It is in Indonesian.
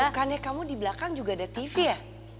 bukannya kamu di belakang juga ada tv ya